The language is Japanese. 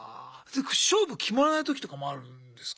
勝負決まらないときとかもあるんですか？